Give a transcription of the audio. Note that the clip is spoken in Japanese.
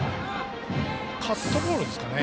カットボールですかね。